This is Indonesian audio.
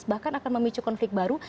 bahkan akan memicu konflik baru